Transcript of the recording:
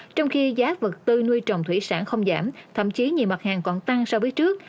trong khi giá vật tư nuôi trồng thủy sản không giảm thậm chí nhiều mặt hàng còn tăng so với trước